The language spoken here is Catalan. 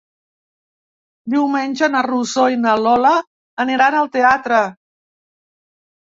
Diumenge na Rosó i na Lola aniran al teatre.